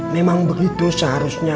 memang beri dosa harusnya